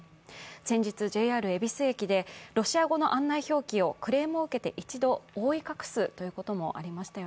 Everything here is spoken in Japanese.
先日ＪＲ恵比寿駅でロシア語の案内表記をクレームを受けて一度覆い隠すということもありました。